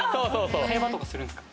会話とかするんですか？